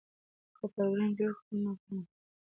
که پروګرام جوړ کړو نو پرمختګ کوو.